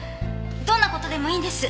どんな事でもいいんです。